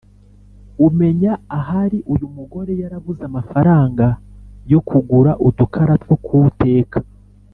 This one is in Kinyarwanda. Umenya ahari uyu mugore yarabuze amafaranga yo kugura udukara two kuwuteka